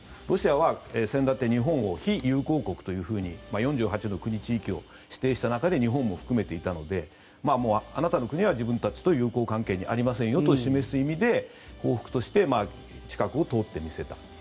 ロシアは先立って日本を非友好国と４８の国、地域を指定した中で日本も含めていたのであなたの国は自分たちと友好関係にありませんよと示す意味で報復として近くを通ってみせた。